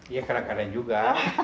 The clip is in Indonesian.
iya kadang kadang juga